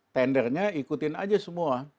tendernya ikutin aja semua